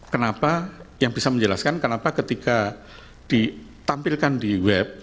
kenapa yang bisa menjelaskan kenapa ketika ditampilkan di web